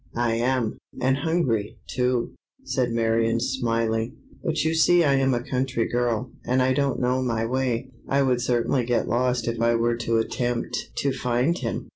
"I am, and hungry, too," said Marion, smiling; "but you see I am a country girl, and I don't know my way. I would certainly get lost if I were to attempt to find him."